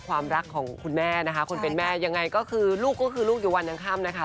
ความรักของคุณแม่นะคะคนเป็นแม่ยังไงก็คือลูกก็คือลูกอยู่วันยังค่ำนะคะ